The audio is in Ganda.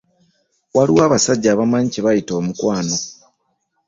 Waliyo abasajja abamanyi kye bayita omukwano.